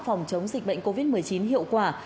phòng chống dịch bệnh covid một mươi chín hiệu quả